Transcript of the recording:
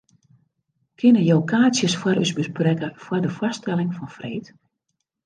Kinne jo kaartsjes foar ús besprekke foar de foarstelling fan freed?